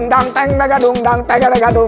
dan tunggu dan tunggu